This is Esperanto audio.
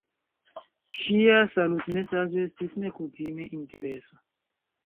Ŝia salutmesaĝo estis nekutime interesa.